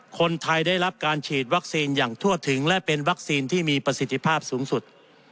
คนไทยได้รับการฉีดวัคซีนอย่างทั่วถึงและเป็นวัคซีนที่มีประสิทธิภาพสูงสุด